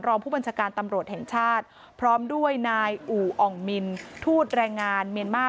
รองผู้บัญชาการตำรวจแห่งชาติพร้อมด้วยนายอู่องมินทูตแรงงานเมียนมาร์